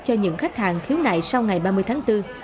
cho những khách hàng khiếu nại sau ngày ba mươi tháng bốn